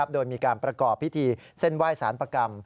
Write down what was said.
โดยมีการประกอบพิธีเส้นไหว้สารประกรรม